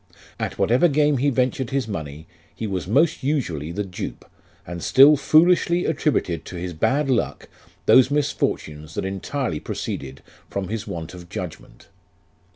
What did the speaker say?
At whatever game he ventured his money, he was most usually the dupe, and still foolishly attributed to his bad luck those misfortunes that entirely proceeded from his want of judgment.